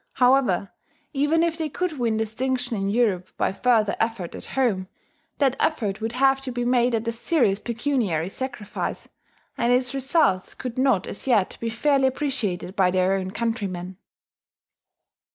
However, even if they could win distinction in Europe by further effort at home, that effort would have to be made at a serious pecuniary sacrifice, and its results could not as yet be fairly appreciated by their own countrymen.